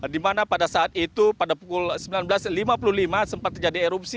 di mana pada saat itu pada pukul sembilan belas lima puluh lima sempat terjadi erupsi